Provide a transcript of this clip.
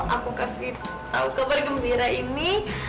aku kasih tahu kabar gembira ini